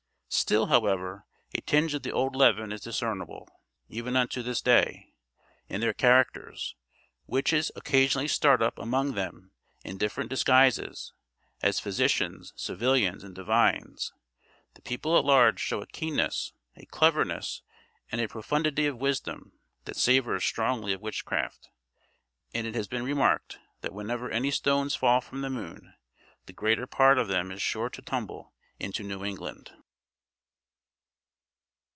Still, however, a tinge of the old leaven is discernible, even unto this day, in their characters; witches occasionally start up among them in different disguises, as physicians, civilians and divines. The people at large show a keenness, a cleverness and a profundity of wisdom, that savors strongly of witchcraft; and it has been remarked, that whenever any stones fall from the moon, the greater part of them is sure to tumble into New England.